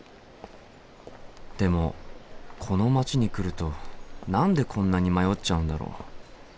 でもこの街に来ると何でこんなに迷っちゃうんだろう？